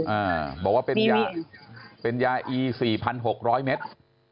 อ่ะบอกว่าเป็นยาอี๔๖๐๐เมตร